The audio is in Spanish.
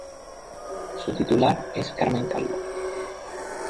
Su titular es Carmen Calvo.